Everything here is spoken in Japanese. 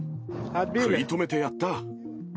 食い止めてやった！